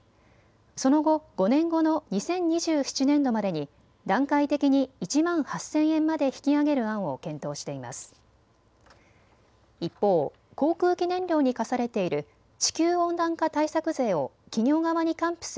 その後、５年後の２０２７年度までに段階的に１万８０００円まで引き上げる案を検討しています。